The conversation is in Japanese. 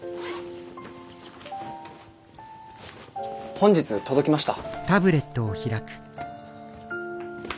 本日届きました。